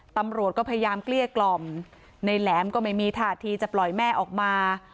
ตำรวจก็พยายามเกลี้ยกล่อมในแหลมก็ไม่มีท่าทีจะปล่อยแม่ออกมา